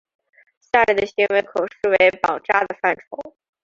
下列的行为可视为绑扎的范畴。